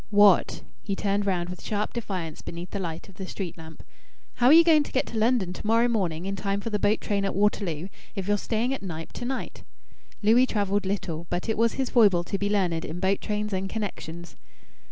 "What?" He turned round with sharp defiance beneath the light of the street lamp. "How are you going to get to London to morrow morning in time for the boat train at Waterloo, if you're staying at Knype to night." Louis travelled little, but it was his foible to be learned in boat trains and "connections."